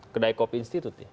kedai kopi institut ya